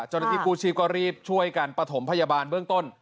เจ้าหน้าที่กู้ชีพก็รีบช่วยกันประถมพยาบาลเบื้องต้น